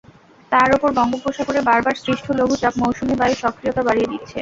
তার ওপর বঙ্গোপসাগরে বারবার সৃষ্ট লঘুচাপ মৌসুমি বায়ুর সক্রিয়তা বাড়িয়ে দিচ্ছে।